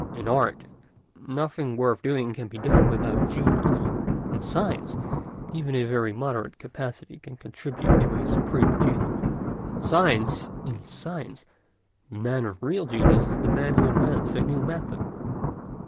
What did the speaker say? In art nothing worth doing can be done without genius; in science even a very moderate capacity can contribute to a supreme achievement. In science the man of real genius is the man who invents a new method.